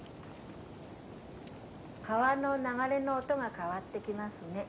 川の流れの音が変わってきますね。